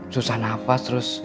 susah nafas terus